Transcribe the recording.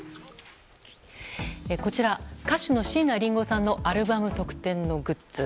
こちら歌手の椎名林檎さんのアルバム特典のグッズ。